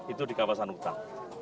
itu di kawasan hutan